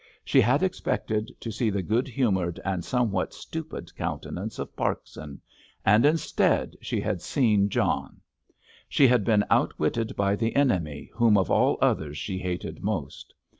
She had expected to see the good humoured and somewhat stupid countenance of Parkson, and instead, she had seen John. She had been outwitted by the enemy whom of all others she hated most.